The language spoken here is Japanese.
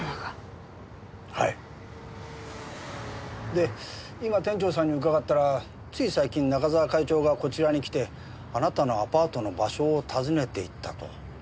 で今店長さんに伺ったらつい最近中沢会長がこちらに来てあなたのアパートの場所を訪ねていったと。